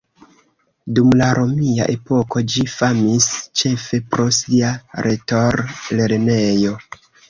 Dum la romia epoko ĝi famis ĉefe pro sia retor-lernejo.